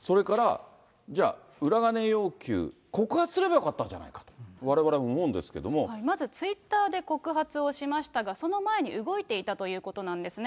それからじゃあ、裏金要求、告発すればよかったんじゃないかと、まずツイッターで告発をしましたが、その前に動いていたということなんですね。